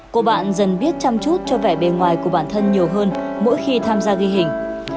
cô bạn dần biết chăm chút cho vẻ bề ngoài của bản thân nhiều hơn mỗi khi tham gia ghi hình